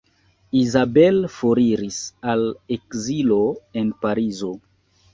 Isabel foriris al ekzilo en Parizo.